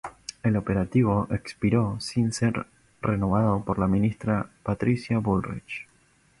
El operativo expiró sin ser renovado por la ministra Patricia Bullrich.